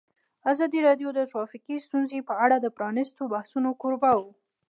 ازادي راډیو د ټرافیکي ستونزې په اړه د پرانیستو بحثونو کوربه وه.